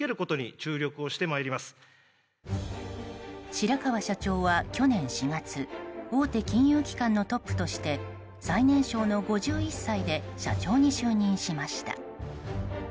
白川社長は去年４月大手金融機関のトップとして最年少の５１歳で社長に就任しました。